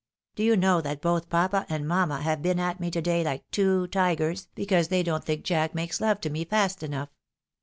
Do you know that both papa and mamma have been at me to day like two tigers, because they don't think Jack makes love to me fast enough.